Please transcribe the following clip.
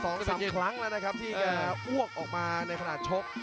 สองสามครั้งแล้วนะครับที่จะอ้วกออกมาในขณะชก